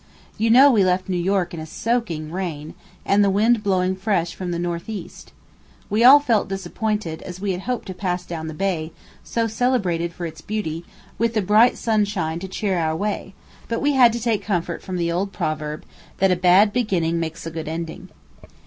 You know we left New York in a soaking rain, and the wind blowing fresh from the north east. We all felt disappointed, as we had hoped to pass down the bay, so celebrated for its beauty, with the bright sunshine to cheer our way; but we had to take comfort from the old proverb, that "a bad beginning makes a good ending."